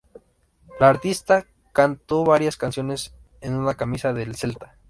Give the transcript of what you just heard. La artista cantó varias canciones con una camiseta del Celta.